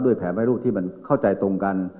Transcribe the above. ด้วยแผมไฟรูปที่มันเข้าใจตรงกัน